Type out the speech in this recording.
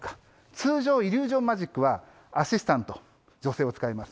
通常、イリュージョンマジックは、アシスタント、女性を使います。